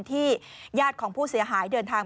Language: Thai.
ญาติของผู้เสียหายเดินทาง